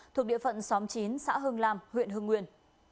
thuộc địa phận xóm chín xã hương lam huyện hương nguyên